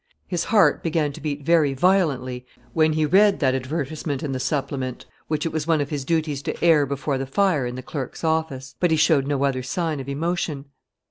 His heart began to beat very violently when he read that advertisement in the supplement, which it was one of his duties to air before the fire in the clerks' office; but he showed no other sign of emotion.